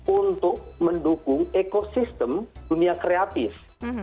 untuk mendukung ekosistem dunia kreatif